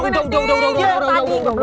udah udah udah udah pegang pegang